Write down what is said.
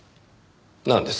なんです？